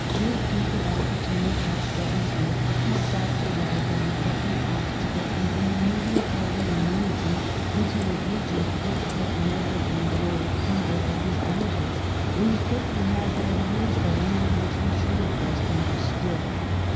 Made duke of Aquitaine at seventeen, he sought to ride down every obstacle and bring immediate order and unity into a region which had never enjoyed either of these benefits ; and he quickly had by the ears the land which he should have best understood.